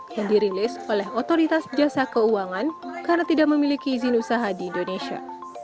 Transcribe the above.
yang dirilis oleh otoritas jasa keuangan karena tidak memiliki izin usaha di indonesia